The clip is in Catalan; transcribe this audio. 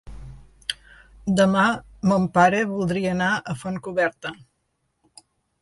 Demà mon pare voldria anar a Fontcoberta.